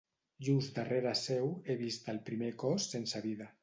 Just darrere seu, he vist el primer cos sense vida.